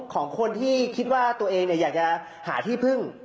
ของคนที่คิดว่าตัวเองอยากจะหาที่พึ่ง